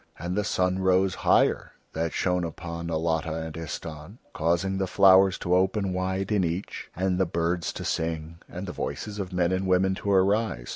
And the sun rose higher that shone upon Alatta and Istahn, causing the flowers to open wide in each, and the birds to sing and the voices of men and women to arise.